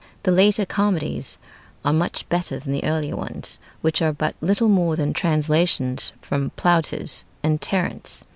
The later comedies are much better than the early ones, which are but little more than translations from Plautus and Terence.